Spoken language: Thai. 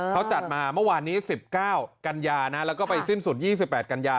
เขาจัดมาเมื่อวานนี้๑๙กันยานะแล้วก็ไปสิ้นสุด๒๘กันยา